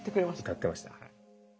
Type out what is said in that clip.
歌ってましたね。